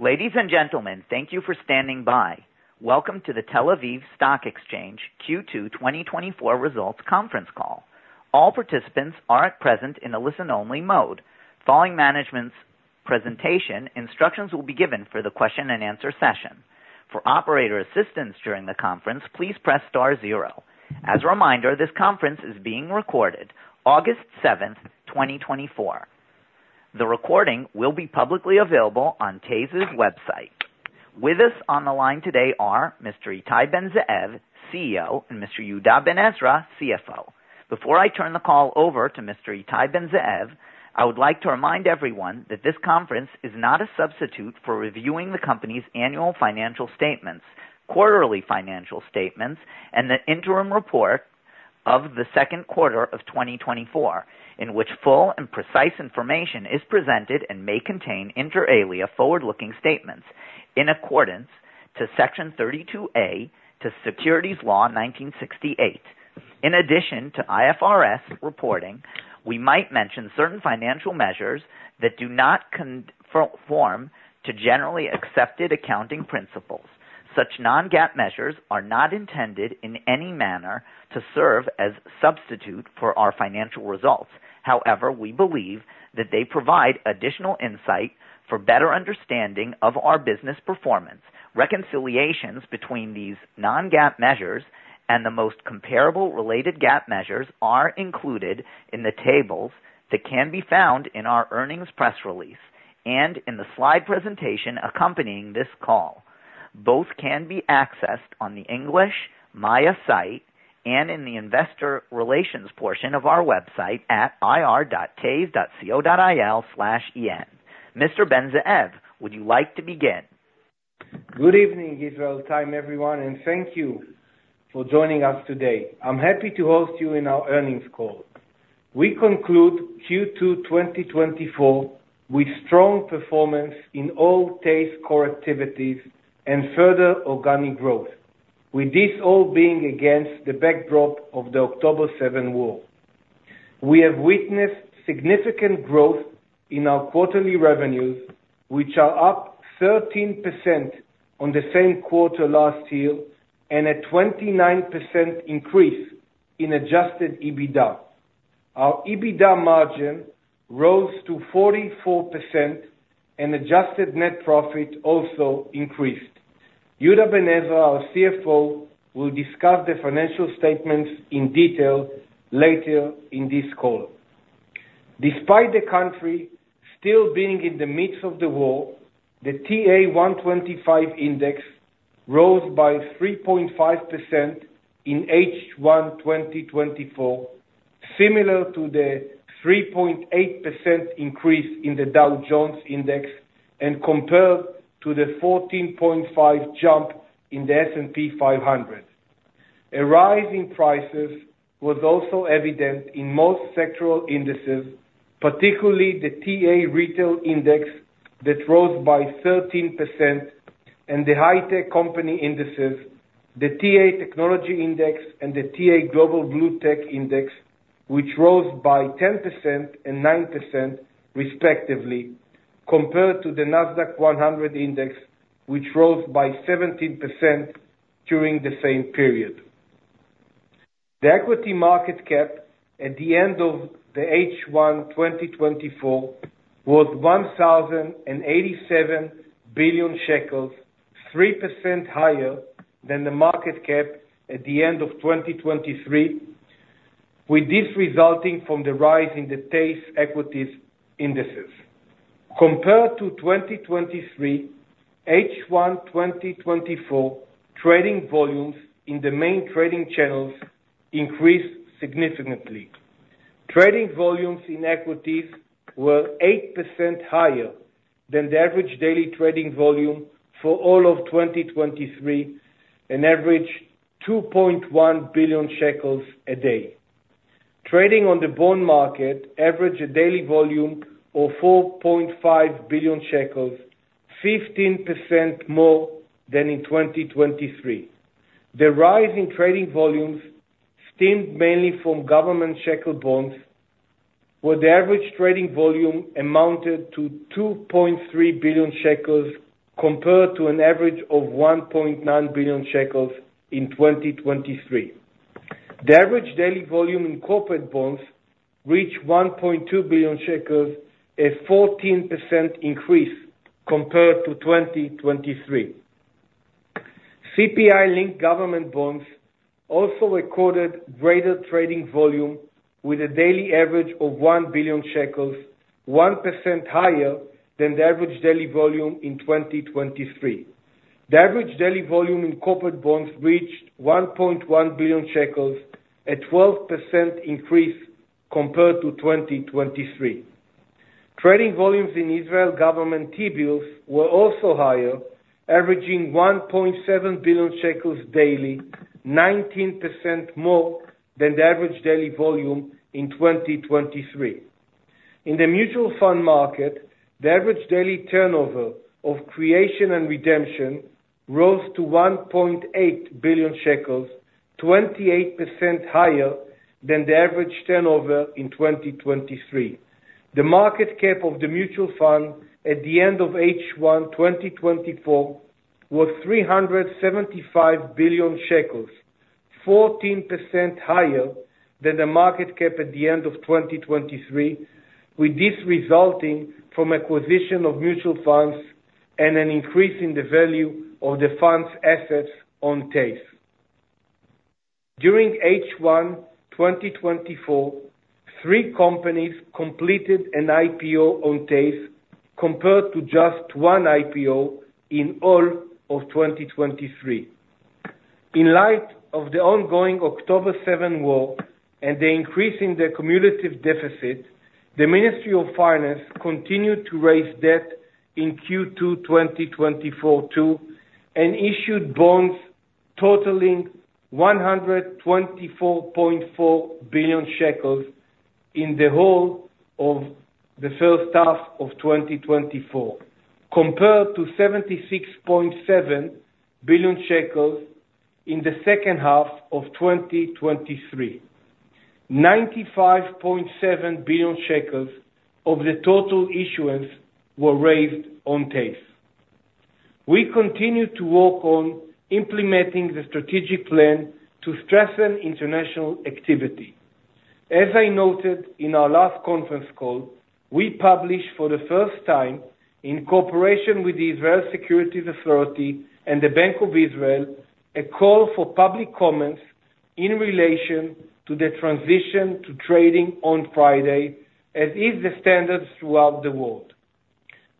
Ladies and gentlemen, thank you for standing by. Welcome to the Tel Aviv Stock Exchange Q2 2024 Results Conference Call. All participants are at present in a listen-only mode. Following management's presentation, instructions will be given for the question and answer session. For operator assistance during the conference, please press star zero. As a reminder, this conference is being recorded August seventh, twenty twenty-four. The recording will be publicly available on TASE's website. With us on the line today are Mr. Ittai Ben-Zeev, CEO, and Mr. Yehuda Ben-Ezra, CFO. Before I turn the call over to Mr. Ittai Ben-Zeev, I would like to remind everyone that this conference is not a substitute for reviewing the company's annual financial statements, quarterly financial statements, and the interim report of the second quarter of 2024, in which full and precise information is presented and may contain, inter alia, forward-looking statements in accordance to Section 32A to Securities Law 1968. In addition to IFRS reporting, we might mention certain financial measures that do not conform to generally accepted accounting principles. Such non-GAAP measures are not intended in any manner to serve as substitute for our financial results. However, we believe that they provide additional insight for better understanding of our business performance. Reconciliations between these non-GAAP measures and the most comparable related GAAP measures are included in the tables that can be found in our earnings press release and in the slide presentation accompanying this call. Both can be accessed on the English Maya site and in the investor relations portion of our website at ir.tase.co.il/en. Mr. Ben-Zeev, would you like to begin? Good evening, Israel time, everyone, and thank you for joining us today. I'm happy to host you in our earnings call. We conclude Q2 2024 with strong performance in all TASE core activities and further organic growth, with this all being against the backdrop of the October 7 war. We have witnessed significant growth in our quarterly revenues, which are up 13% on the same quarter last year, and a 29% increase in adjusted EBITDA. Our EBITDA margin rose to 44%, and adjusted net profit also increased. Yehuda Ben-Ezra, our CFO, will discuss the financial statements in detail later in this call. Despite the country still being in the midst of the war, the TA-125 index rose by 3.5% in H1 2024, similar to the 3.8% increase in the Dow Jones index and compared to the 14.5% jump in the S&P 500. A rise in prices was also evident in most sectoral indices, particularly the TA-Retail Index, that rose by 13%, and the high tech company indices, the TA-Technology Index and the TA-Global BlueTech Index, which rose by 10% and 9%, respectively, compared to the NASDAQ 100 index, which rose by 17% during the same period. The equity market cap at the end of the H1 2024 was 1,087 billion shekels, 3% higher than the market cap at the end of 2023, with this resulting from the rise in the TASE equities indices. Compared to 2023, H1 2024 trading volumes in the main trading channels increased significantly. Trading volumes in equities were 8% higher than the average daily trading volume for all of 2023, an average 2.1 billion shekels a day. Trading on the bond market averaged a daily volume of 4.5 billion shekels, 15% more than in 2023. The rise in trading volumes stemmed mainly from government shekel bonds, where the average trading volume amounted to 2.3 billion shekels, compared to an average of 1.9 billion shekels in 2023. The average daily volume in corporate bonds reached 1.2 billion shekels, a 14% increase compared to 2023. CPI-linked government bonds also recorded greater trading volume, with a daily average of 1 billion shekels, 1% higher than the average daily volume in 2023. The average daily volume in corporate bonds reached 1.1 billion shekels, a 12% increase compared to 2023. Trading volumes in Israel government T-bills were also higher, averaging 1.7 billion shekels daily, 19% more than the average daily volume in 2023. In the mutual fund market, the average daily turnover of creation and redemption rose to 1.8 billion shekels, 28% higher than the average turnover in 2023. The market cap of the mutual fund at the end of H1 2024 was 375 billion shekels, 14% higher than the market cap at the end of 2023, with this resulting from acquisition of mutual funds and an increase in the value of the fund's assets on TASE. During H1 2024, 3 companies completed an IPO on TASE, compared to just one IPO in all of 2023. In light of the ongoing October 7 war and the increase in the cumulative deficit, the Ministry of Finance continued to raise debt in Q2 2024 too, and issued bonds totaling 124.4 billion shekels in the whole of the first half of 2024, compared to 76.7 billion shekels in the second half of 2023. 95.7 billion shekels of the total issuance were raised on TASE. We continue to work on implementing the strategic plan to strengthen international activity. As I noted in our last conference call, we published for the first time, in cooperation with the Israel Securities Authority and the Bank of Israel, a call for public comments in relation to the transition to trading on Friday, as are the standards throughout the world.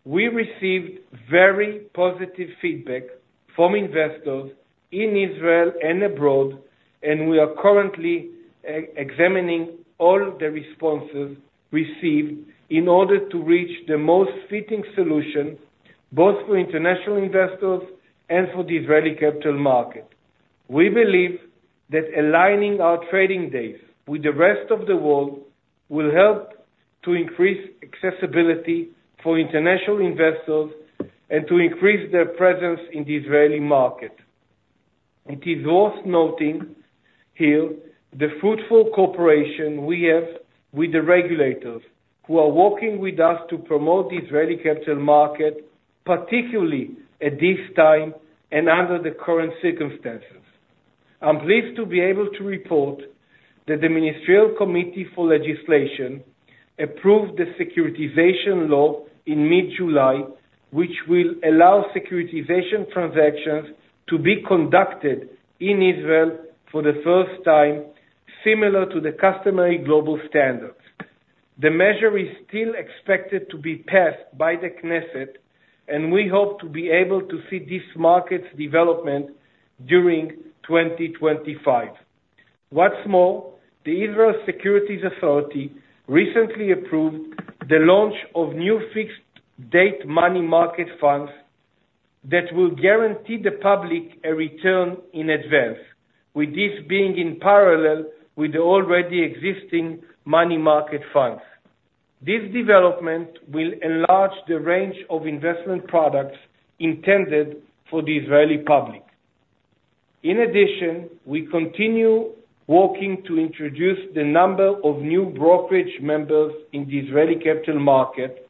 We received very positive feedback from investors in Israel and abroad, and we are currently re-examining all the responses received in order to reach the most fitting solution, both for international investors and for the Israeli capital market. We believe that aligning our trading days with the rest of the world will help to increase accessibility for international investors and to increase their presence in the Israeli capital market. It is worth noting here, the fruitful cooperation we have with the regulators, who are working with us to promote the Israeli capital market, particularly at this time and under the current circumstances. I'm pleased to be able to report that the Ministerial Committee for Legislation approved the Securitization Law in mid-July, which will allow Securitization Transactions to be conducted in Israel for the first time, similar to the customary global standards. The measure is still expected to be passed by the Knesset, and we hope to be able to see this market's development during 2025. What's more, the Israel Securities Authority recently approved the launch of new fixed date money market funds that will guarantee the public a return in advance, with this being in parallel with the already existing money market funds. This development will enlarge the range of investment products intended for the Israeli public. In addition, we continue working to introduce the number of new brokerage members in the Israeli capital market,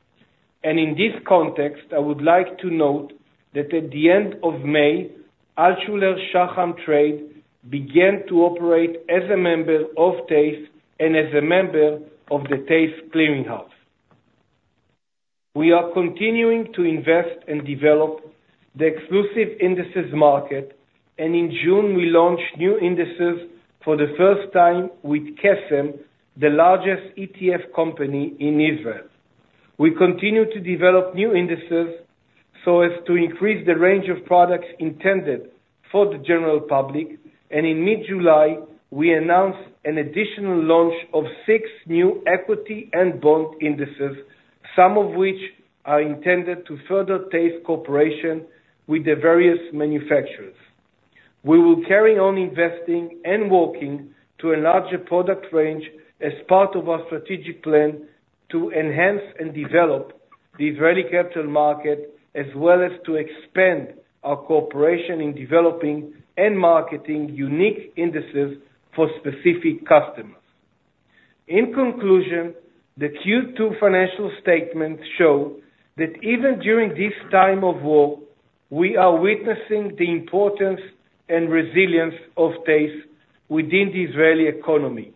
and in this context, I would like to note that at the end of May, Altshuler Shaham Trade began to operate as a member of TASE and as a member of the TASE Clearing House. We are continuing to invest and develop the exclusive indices market, and in June, we launched new indices for the first time with Kesem, the largest ETF company in Israel. We continue to develop new indices so as to increase the range of products intended for the general public, and in mid-July, we announced an additional launch of six new equity and bond indices, some of which are intended to further TASE cooperation with the various manufacturers. We will carry on investing and working to enlarge a product range as part of our strategic plan to enhance and develop the Israeli capital market, as well as to expand our cooperation in developing and marketing unique indices for specific customers. In conclusion, the Q2 financial statements show that even during this time of war, we are witnessing the importance and resilience of TASE within the Israeli economy.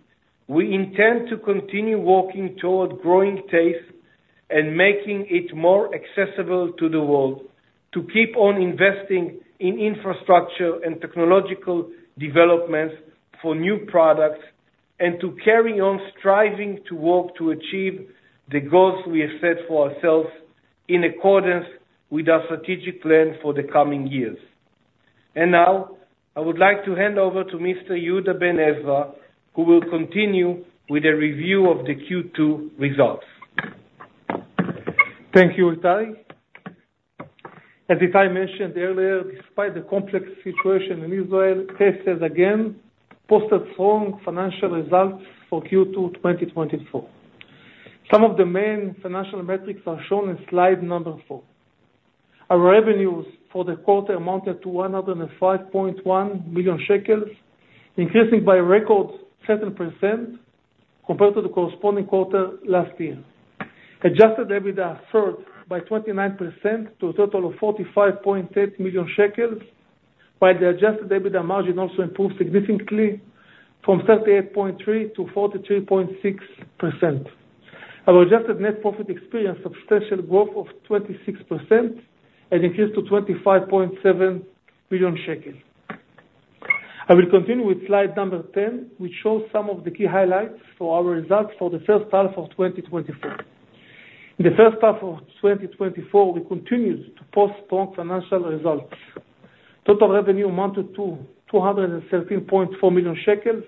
We intend to continue working toward growing TASE and making it more accessible to the world, to keep on investing in infrastructure and technological developments for new products, and to carry on striving to work to achieve the goals we have set for ourselves in accordance with our strategic plan for the coming years. Now, I would like to hand over to Mr. Yehuda Ben-Ezra, who will continue with a review of the Q2 results. Thank you, Ittai. As Ittai mentioned earlier, despite the complex situation in Israel, TASE has again posted strong financial results for Q2 2024. Some of the main financial metrics are shown in Slide 4. Our revenues for the quarter amounted to 105.1 million shekels, increasing by a record 7% compared to the corresponding quarter last year. Adjusted EBITDA surged by 29% to a total of 45.8 million shekels, while the Adjusted EBITDA margin also improved significantly from 38.3% to 42.6%. Our adjusted net profit experienced substantial growth of 26% and increased to 25.7 million shekels. I will continue with Slide 10, which shows some of the key highlights for our results for the first half of 2024. In the first half of 2024, we continued to post strong financial results. Total revenue amounted to 213.4 million shekels,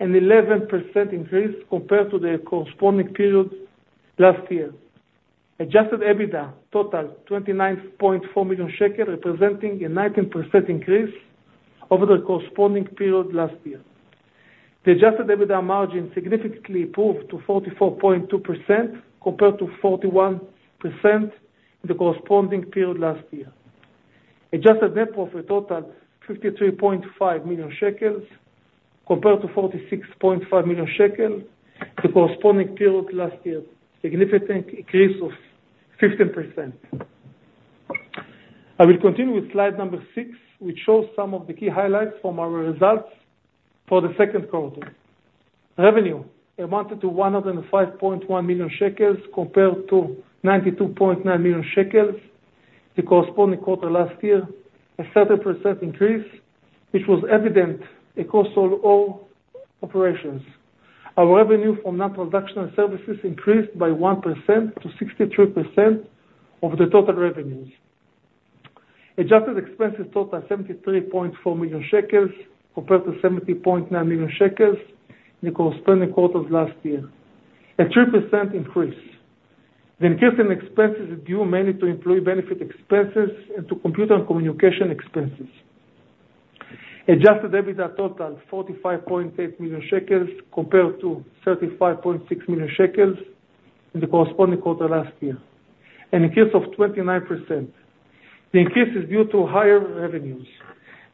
an 11% increase compared to the corresponding period last year. Adjusted EBITDA, total 29.4 million shekel, representing a 19% increase over the corresponding period last year. The adjusted EBITDA margin significantly improved to 44.2%, compared to 41% in the corresponding period last year. Adjusted net profit totaled ILS 53.5 million, compared to 46.5 million shekels, the corresponding period last year, significant increase of 15%. I will continue with Slide number 6, which shows some of the key highlights from our results for the second quarter. Revenue amounted to 105.1 million shekels, compared to 92.9 million shekels, the corresponding quarter last year, a 30% increase, which was evident across all operations. Our revenue from non-production services increased by 1% to 63% of the total revenues. Adjusted expenses totaled 73.4 million shekels, compared to 70.9 million shekels in the corresponding quarter last year, a 3% increase. The increase in expenses is due mainly to employee benefit expenses and to computer and communication expenses. Adjusted EBITDA totaled 45.8 million shekels, compared to 35.6 million shekels in the corresponding quarter last year, an increase of 29%. The increase is due to higher revenues.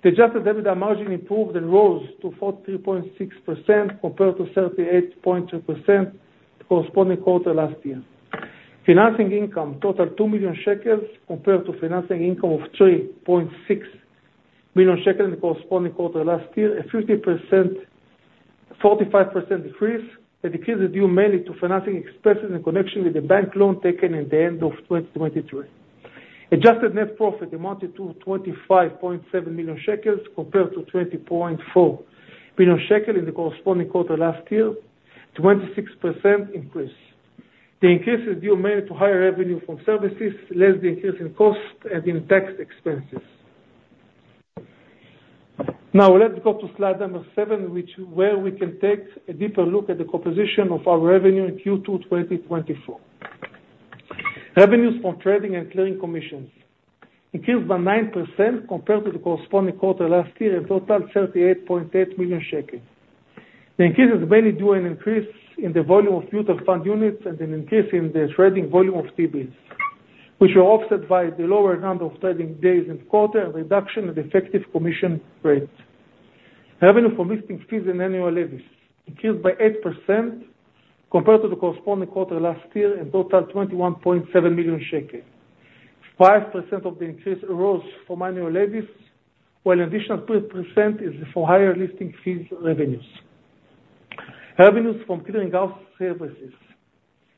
The adjusted EBITDA margin improved and rose to 42.6%, compared to 38.2%, the corresponding quarter last year. Financing income totaled 2 million shekels, compared to financing income of 3.6 million shekels in the corresponding quarter last year, a 50%, 45% decrease. The decrease is due mainly to financing expenses in connection with the bank loan taken in the end of 2023. Adjusted net profit amounted to 25.7 million shekels, compared to 20.4 million shekels in the corresponding quarter last year, 26% increase. The increase is due mainly to higher revenue from services, less the increase in cost and in tax expenses. Now, let's go to Slide number 7, where we can take a deeper look at the composition of our revenue in Q2 2024. Revenues from trading and clearing commissions increased by 9% compared to the corresponding quarter last year and totaled 38.8 million shekels. The increase is mainly due to an increase in the volume of mutual fund units and an increase in the trading volume of T-bills, which were offset by the lower number of trading days in the quarter and reduction in effective commission rates. Revenue from listing fees and annual levies increased by 8% compared to the corresponding quarter last year, and totaled 21.7 million shekels. 5% of the increase arose from annual levies, while additional 3% is for higher listing fees revenues. Revenues from clearinghouse services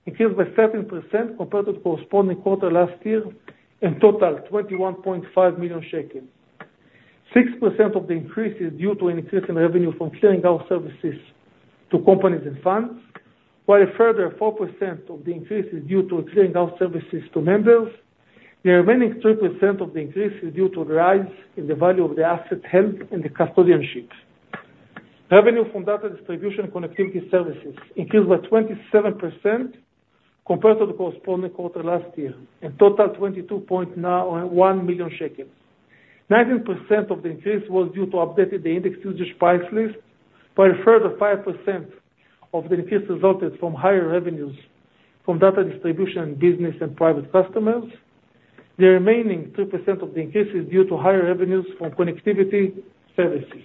increased by 13% compared to the corresponding quarter last year, and totaled 21.5 million shekels. 6% of the increase is due to an increase in revenue from clearing services to companies and funds, while a further 4% of the increase is due to clearing services to members. The remaining 3% of the increase is due to the rise in the value of the assets held in the custodianship. Revenue from data distribution and connectivity services increased by 27% compared to the corresponding quarter last year, and totaled 22.1 million shekels. 19% of the increase was due to updated the index usage price list, while a further 5% of the increase resulted from higher revenues from data distribution, business, and private customers. The remaining 2% of the increase is due to higher revenues from connectivity services.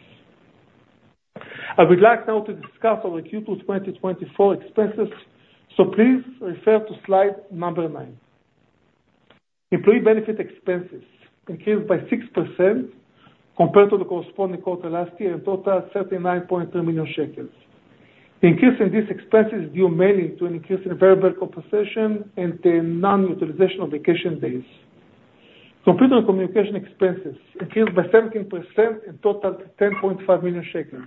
I would like now to discuss our Q2 2024 expenses, so please refer to Slide number 9. Employee benefit expenses increased by 6% compared to the corresponding quarter last year, and totaled 39.3 million shekels. The increase in these expenses is due mainly to an increase in variable compensation and the non-utilization of vacation days. Computer communication expenses increased by 17%, and totaled 10.5 million shekels.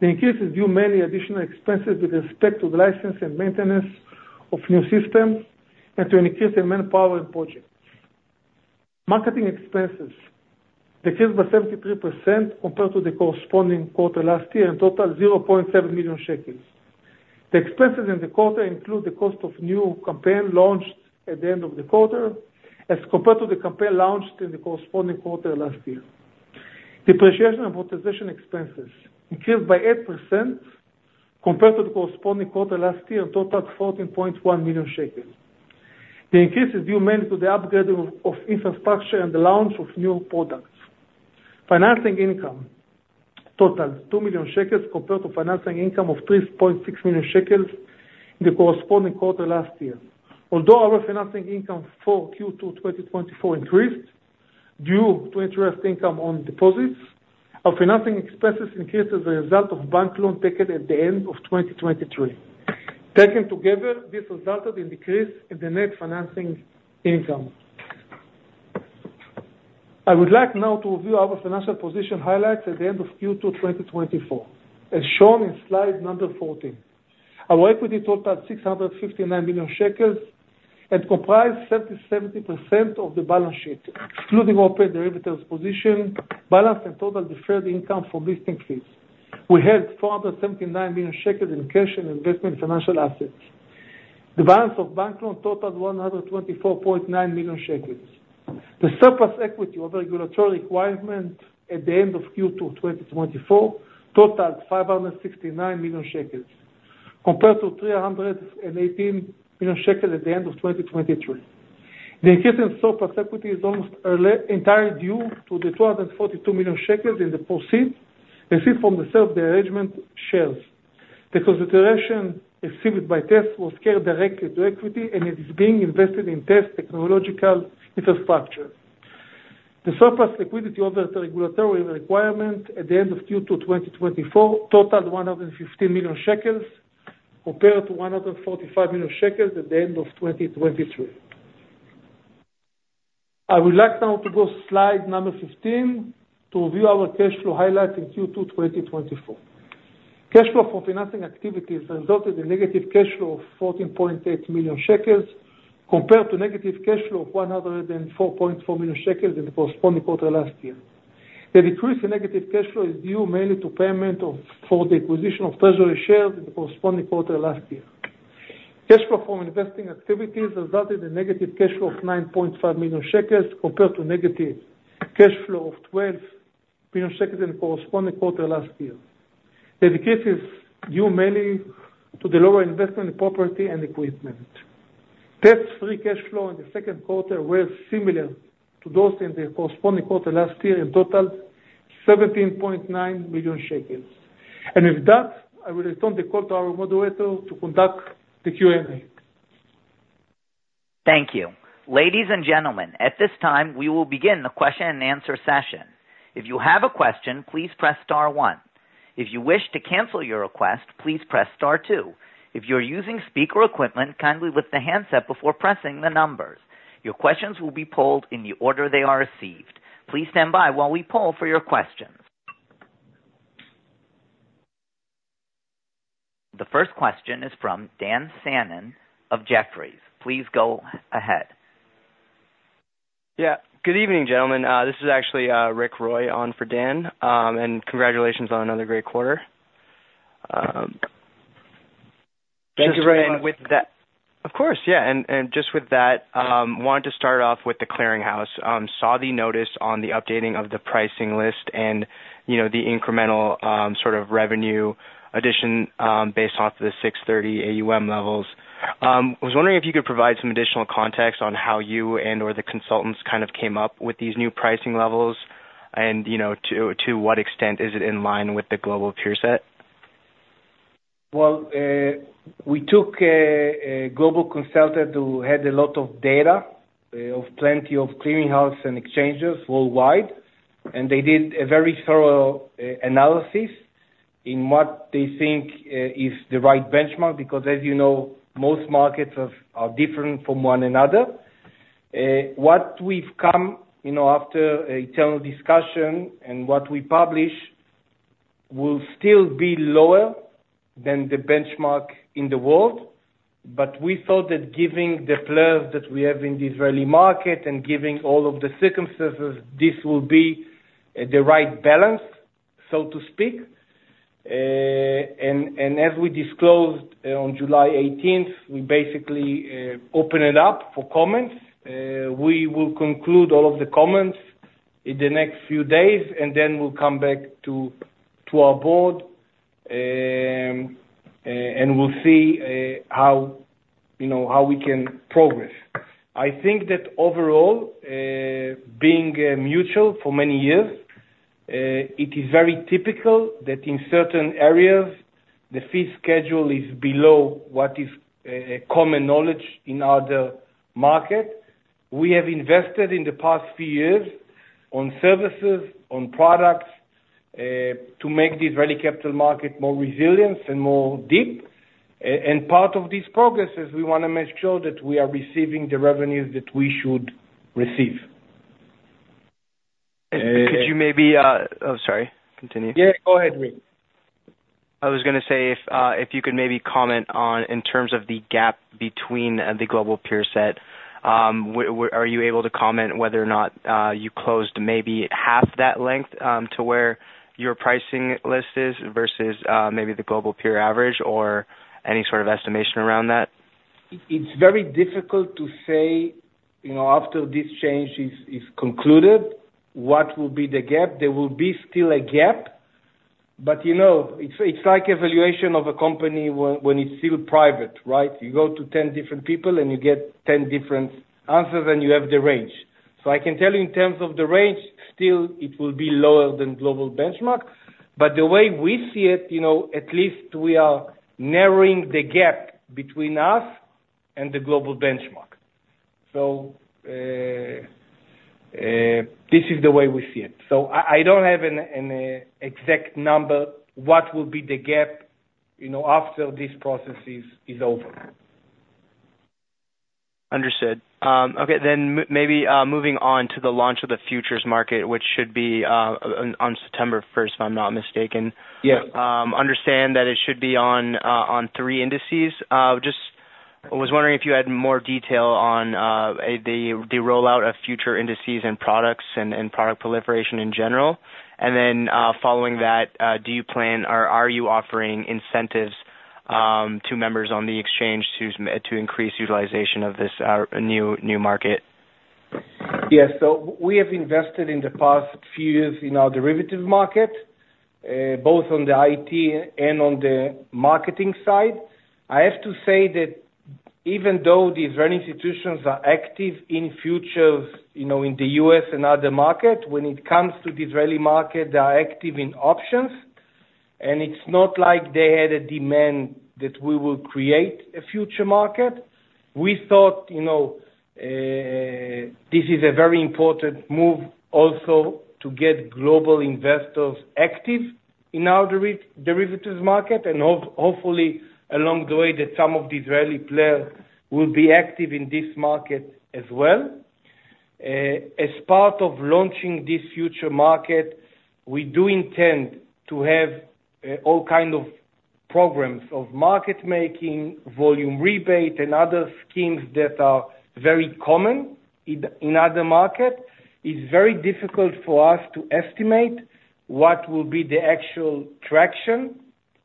The increase is due mainly to additional expenses with respect to the license and maintenance of new systems, and to an increase in manpower and projects. Marketing expenses decreased by 73% compared to the corresponding quarter last year, and totaled 0.7 million shekels. The expenses in the quarter include the cost of new campaign launched at the end of the quarter as compared to the campaign launched in the corresponding quarter last year, depreciation and amortization expenses increased by 8% compared to the corresponding quarter last year, a total of 14.1 million shekels. The increase is due mainly to the upgrading of infrastructure and the launch of new products. Financing income totaled 2 million shekels compared to financing income of 3.6 million shekels in the corresponding quarter last year. Although our financing income for Q2 2024 increased due to interest income on deposits, our financing expenses increased as a result of bank loan taken at the end of 2023. Taken together, this resulted in decrease in the net financing income. I would like now to review our financial position highlights at the end of Q2 2024, as shown in Slide number 14. Our equity totaled 659 million shekels, and comprised 77% of the balance sheet, including open derivatives, position, balance, and total deferred income from listing fees. We had 479 million shekels in cash and investment financial assets. The balance of bank loans totaled 124.9 million shekels. The surplus equity of regulatory requirement at the end of Q2 2024 totaled 569 million shekels, compared to 318 million shekels at the end of 2023. The increase in surplus equity is almost entirely due to the 242 million shekels in the proceeds received from the sale of the arrangement shares. The consideration received by TASE was carried directly to equity and is being invested in TASE technological infrastructure. The surplus liquidity of the regulatory requirement at the end of Q2 2024 totaled 115 million shekels, compared to 145 million shekels at the end of 2023. I would like now to go Slide number 15, to review our cash flow highlights in Q2 2024. Cash flow for financing activities resulted in negative cash flow of 14.8 million shekels, compared to negative cash flow of 104.4 million shekels in the corresponding quarter last year. The decrease in negative cash flow is due mainly to payment of, for the acquisition of treasury shares in the corresponding quarter last year. Cash flow from investing activities resulted in negative cash flow of 9.5 million shekels, compared to negative cash flow of 12 million shekels in the corresponding quarter last year. The decrease is due mainly to the lower investment in property and equipment. TASE free cash flow in the second quarter were similar to those in the corresponding quarter last year, and totaled 17.9 million shekels. And with that, I will return the call to our moderator to conduct the Q&A. Thank you. Ladies and gentlemen, at this time, we will begin the question and answer session. If you have a question, please press star one. If you wish to cancel your request, please press star two. If you're using speaker equipment, kindly lift the handset before pressing the numbers. Your questions will be polled in the order they are received. Please stand by while we poll for your questions. The first question is from Daniel Fannon of Jefferies. Please go ahead. Yeah. Good evening, gentlemen. This is actually Rick Roy on for Dan, and congratulations on another great quarter. Thank you, Rick. With that, of course, yeah, and just with that, wanted to start off with the Clearing House. Saw the notice on the updating of the pricing list and, you know, the incremental, sort of revenue addition, based off the 630 AUM levels. I was wondering if you could provide some additional context on how you and/or the consultants kind of came up with these new pricing levels, and, you know, to what extent is it in line with the global peer set? Well, we took a global consultant who had a lot of data of plenty of clearing houses and exchanges worldwide, and they did a very thorough analysis in what they think is the right benchmark, because as you know, most markets are different from one another. What we've come, you know, after internal discussion and what we publish, will still be lower than the benchmark in the world. But we thought that giving the players that we have in the Israeli market, and giving all of the circumstances, this will be the right balance, so to speak. And as we disclosed on July eighteenth, we basically open it up for comments. We will conclude all of the comments in the next few days, and then we'll come back to our board, and we'll see how, you know, how we can progress. I think that overall, being a mutual for many years, it is very typical that in certain areas the fee schedule is below what is common knowledge in other markets. We have invested in the past few years on services, on products, to make the Israeli capital market more resilient and more deep. And part of this progress is we want to make sure that we are receiving the revenues that we should receive. Could you maybe? Oh, sorry, continue. Yeah, go ahead, Rick. I was gonna say, if, if you could maybe comment on, in terms of the gap between the global peer set, are you able to comment whether or not, you closed maybe half that length, to where your pricing list is versus, maybe the global peer average or any sort of estimation around that? It's very difficult to say, you know, after this change is concluded, what will be the gap? There will be still a gap, but, you know, it's like valuation of a company when it's still private, right? You go to 10 different people, and you get 10 different answers, and you have the range. So I can tell you in terms of the range, still it will be lower than global benchmark, but the way we see it, you know, at least we are narrowing the gap between us and the global benchmark. So, this is the way we see it. So I don't have an exact number, what will be the gap, you know, after this process is over. Understood. Okay, then maybe moving on to the launch of the futures market, which should be on September first, if I'm not mistaken. Yeah. Understand that it should be on three indices. Just was wondering if you had more detail on the rollout of future indices and products and product proliferation in general. And then, following that, do you plan or are you offering incentives to members on the exchange to increase utilization of this new market? Yes. So we have invested in the past few years in our derivatives market, both on the IT and on the marketing side. I have to say that even though the Israeli institutions are active in futures, you know, in the US and other markets, when it comes to the Israeli market, they are active in options, and it's not like they had a demand that we will create a futures market. We thought, you know, this is a very important move also to get global investors active in our derivatives market, and hopefully, along the way, that some of the Israeli players will be active in this market as well. As part of launching this futures market, we do intend to have all kind of programs of market making, volume rebate, and other schemes that are very common in other markets. It's very difficult for us to estimate what will be the actual traction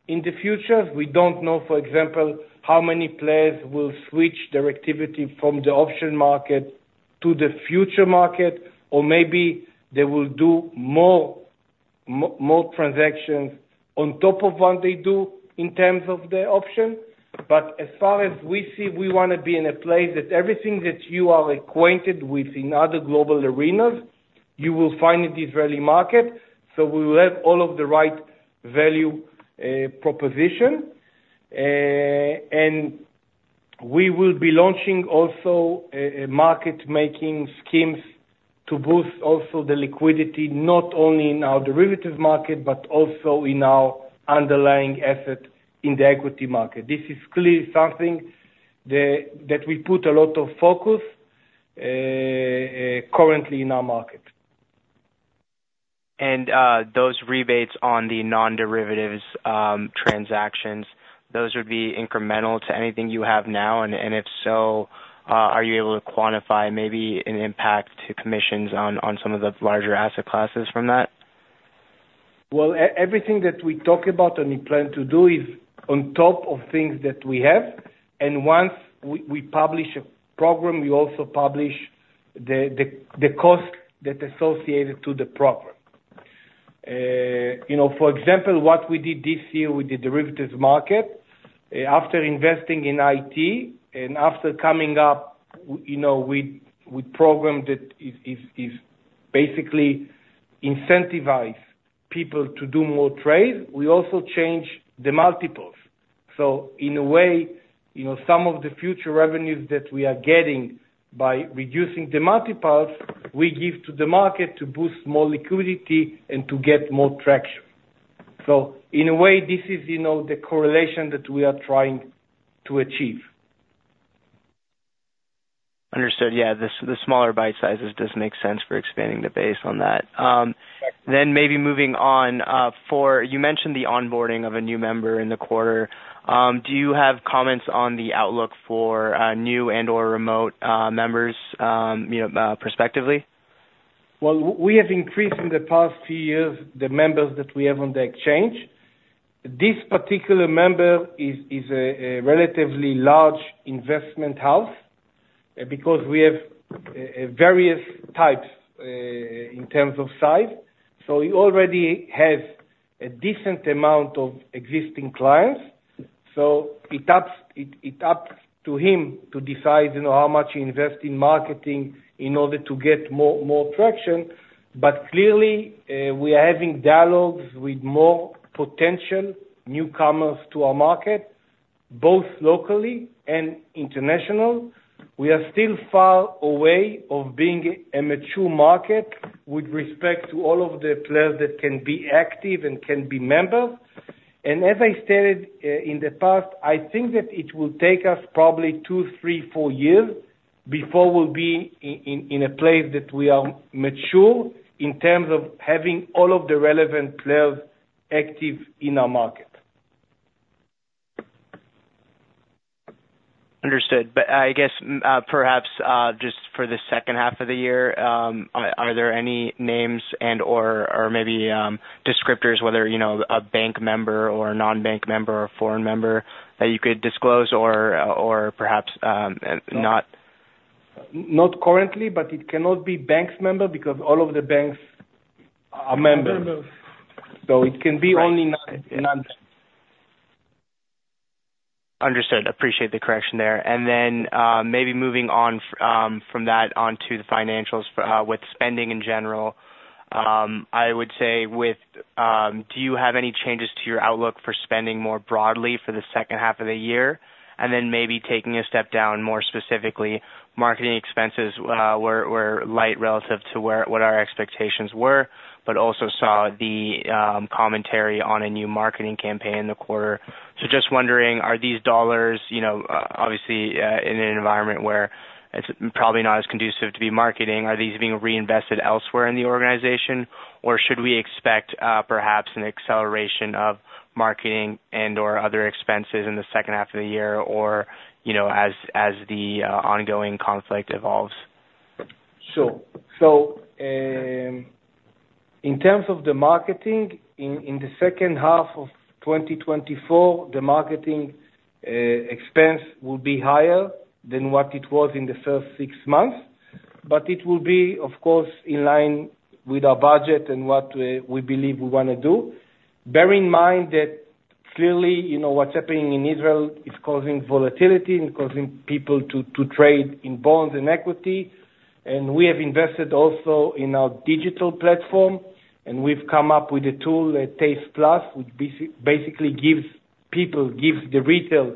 in the future. We don't know, for example, how many players will switch their activity from the option market to the future market, or maybe they will do more transactions on top of what they do in terms of the option. But as far as we see, we wanna be in a place that everything that you are acquainted with in other global arenas, you will find in the Israeli market, so we will have all of the right value proposition. And we will be launching also a market-making schemes to boost also the liquidity, not only in our derivatives market, but also in our underlying asset in the equity market. This is clearly something that we put a lot of focus currently in our market. Those rebates on the non-derivatives transactions, those would be incremental to anything you have now? And if so, are you able to quantify maybe an impact to commissions on some of the larger asset classes from that? Well, everything that we talk about and we plan to do is on top of things that we have, and once we publish a program, we also publish the cost that associated to the program. You know, for example, what we did this year with the derivatives market, after investing in IT and after coming up, you know, with program that is basically incentivize people to do more trade, we also change the multiples. So in a way, you know, some of the future revenues that we are getting by reducing the multiples, we give to the market to boost more liquidity and to get more traction. So in a way, this is, you know, the correlation that we are trying to achieve. Understood. Yeah, the smaller bite sizes does make sense for expanding the base on that. Then maybe moving on. You mentioned the onboarding of a new member in the quarter. Do you have comments on the outlook for new and/or remote members, you know, prospectively? Well, we have increased in the past few years the members that we have on the exchange. This particular member is a relatively large investment house, because we have various types in terms of size. So he already has a decent amount of existing clients, so it is up to him to decide, you know, how much he invest in marketing in order to get more traction. But clearly, we are having dialogues with more potential newcomers to our market, both locally and international. We are still far away of being a mature market with respect to all of the players that can be active and can be members. As I stated in the past, I think that it will take us probably two, three, four years before we'll be in a place that we are mature in terms of having all of the relevant players active in our market. Understood. But I guess, perhaps, just for the second half of the year, are there any names and/or maybe descriptors whether, you know, a bank member or a non-bank member or a foreign member, that you could disclose or perhaps not? Not currently, but it cannot be a bank member, because all of the banks are members. So it can be only non-bank. Understood. Appreciate the correction there. And then, maybe moving on from that onto the financials with spending in general, do you have any changes to your outlook for spending more broadly for the second half of the year? And then maybe taking a step down, more specifically, marketing expenses were light relative to what our expectations were, but also saw the commentary on a new marketing campaign in the quarter. So just wondering, are these dollars, you know, obviously, in an environment where it's probably not as conducive to be marketing, are these being reinvested elsewhere in the organization, or should we expect perhaps an acceleration of marketing and/or other expenses in the second half of the year, or, you know, as the ongoing conflict evolves? Sure. So, in terms of the marketing, in the second half of 2024, the marketing expense will be higher than what it was in the first six months, but it will be, of course, in line with our budget and what we believe we wanna do. Bear in mind that clearly, you know, what's happening in Israel is causing volatility and causing people to trade in bonds and equity. And we have invested also in our digital platform, and we've come up with a tool, a TASE+, which basically gives people, gives the retail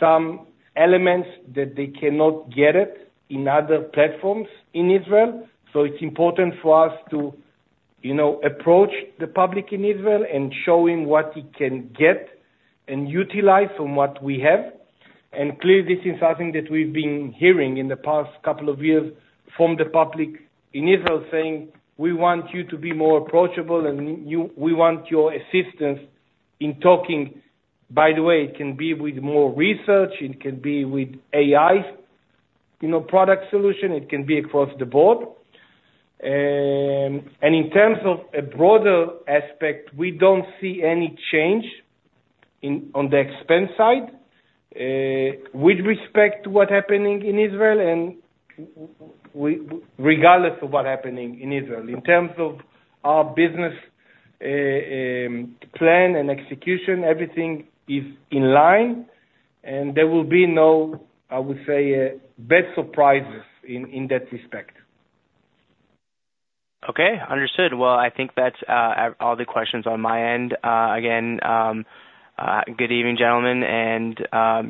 some elements that they cannot get it in other platforms in Israel. So it's important for us to, you know, approach the public in Israel and showing what it can get and utilize from what we have. And clearly, this is something that we've been hearing in the past couple of years from the public in Israel, saying, "We want you to be more approachable, and you we want your assistance in talking." By the way, it can be with more research, it can be with AI, you know, product solution, it can be across the board. And in terms of a broader aspect, we don't see any change in on the expense side, with respect to what's happening in Israel and regardless of what's happening in Israel. In terms of our business, plan and execution, everything is in line, and there will be no, I would say, bad surprises in that respect. Okay, understood. Well, I think that's all the questions on my end. Again, good evening, gentlemen, and,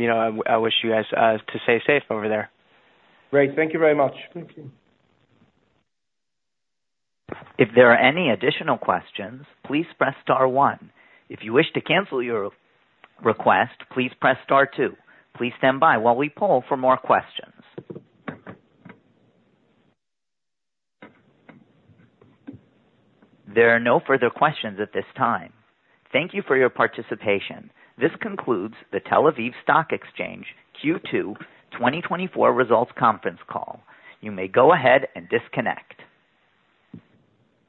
you know, I wish you guys to stay safe over there. Great. Thank you very much. Thank you. If there are any additional questions, please press star one. If you wish to cancel your request, please press star two. Please stand by while we poll for more questions. There are no further questions at this time. Thank you for your participation. This concludes the Tel Aviv Stock Exchange Q2 2024 Results Conference Call. You may go ahead and disconnect.